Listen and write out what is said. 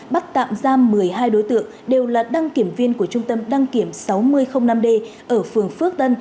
bắt tạm giam một mươi hai đối tượng đều là đăng kiểm viên của trung tâm đăng kiểm sáu nghìn năm d ở phường phước tân